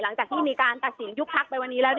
หลังจากที่มีการตัดสินยุบพักไปวันนี้แล้ว